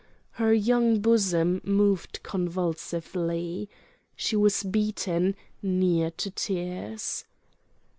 Her young bosom moved convulsively. She was beaten, near to tears.